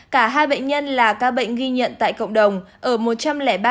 cả hai bệnh nhân là ca bệnh ghi nhận tại cộng đồng ở một trăm linh ba trung tả thổ quan đống đa